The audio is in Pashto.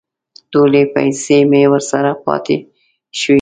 ټولې پیسې مې ورسره پاتې شوې.